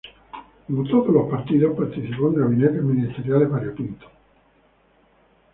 Como todos los partidos participó en gabinetes ministeriales variopinto.